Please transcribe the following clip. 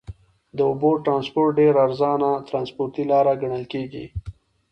د اوبو ترانسپورت ډېر ارزانه ترنسپورټي لاره ګڼل کیږي.